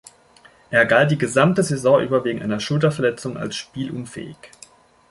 Er galt die gesamte Saison über wegen einer Schulterverletzung als spielunfähig.